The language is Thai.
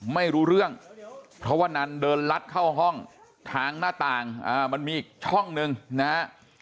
ไม่รู้เรื่องเพราะว่านันเดินลัดเข้าห้องทางหน้าต่างมันมีอีกช่องหนึ่งนะฮะ